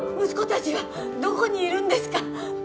息子たちはどこにいるんですか！？